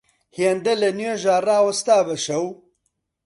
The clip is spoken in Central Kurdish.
هێندە لە نوێژا ڕاوەستا بە شەو